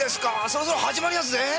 そろそろ始まりますぜ。